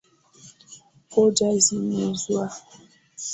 Pojo zimeuzwa.